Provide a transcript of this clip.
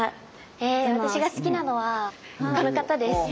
私が好きなのはこの方です。